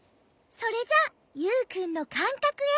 それじゃユウくんのかんかくへ。